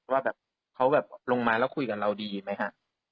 ว่าแบบเขาแบบลงมาแล้วคุยกับเราดีไหมฮะ